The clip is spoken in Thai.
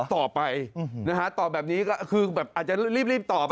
ต่อไปนะฮะตอบแบบนี้ก็คือแบบอาจจะรีบตอบ